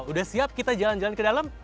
udah siap kita jalan jalan ke dalam